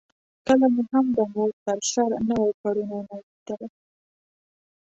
کله مې هم د مور پر سر نوی پوړونی نه وو لیدلی.